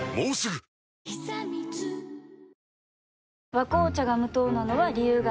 「和紅茶」が無糖なのは、理由があるんよ。